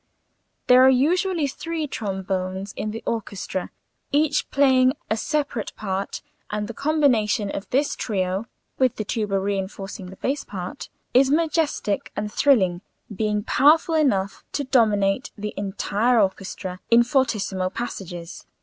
There are usually three trombones in the orchestra, each playing a separate part, and the combination of this trio (with the tuba reinforcing the bass part) is majestic and thrilling, being powerful enough to dominate the entire orchestra in Fortissimo passages.